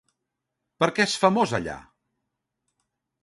Per què és famosa allà?